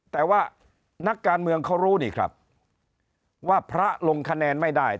แต่ว่านักการเมืองเขารู้นี่ครับว่าพระลงคะแนนไม่ได้